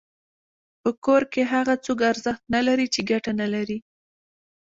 په کور کي هغه څوک ارزښت نلري چي ګټه نلري.